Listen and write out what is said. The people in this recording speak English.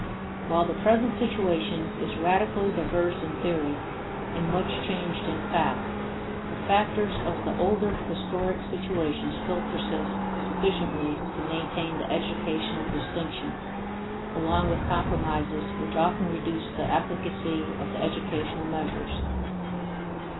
While the present situation is radically diverse in theory and much changed in fact, the factors of the older historic situation still persist sufficiently to maintain the educational distinction, along with compromises which often reduce the efficacy of the educational measures.